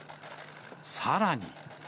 さらに。